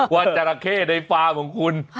จราเข้ในฟาร์มของคุณ